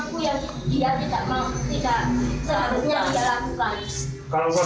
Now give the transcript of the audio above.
tapi ini baik baik saja gak ada yang melapor sama sekali